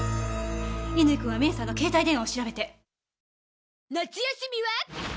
乾君は美恵さんの携帯電話を調べて。